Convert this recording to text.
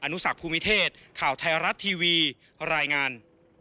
นุสักภูมิเทศข่าวไทยรัฐทีวีรายงาน